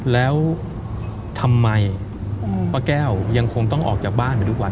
แล้วทำไมป้าแก้วยังคงต้องออกจากบ้านไปทุกวัน